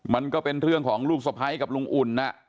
มันก็เป็นเรื่องของลูกสะพ้ายกับลุงอุ่น